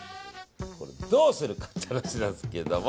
これ、どうするかって話なんですけど。